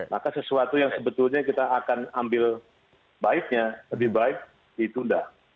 maka sesuatu yang sebetulnya kita akan ambil baiknya lebih baik ditunda